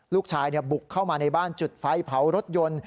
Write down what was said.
ลูกชายบุกเข้ามาในบ้านจุดไฟเผารถยนต์